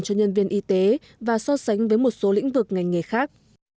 cho nhân viên y tế và so sánh với một số lĩnh vực ngành nghề khác